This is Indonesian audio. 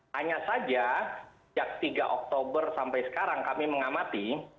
hanya saja sejak tiga oktober sampai sekarang kami mengamati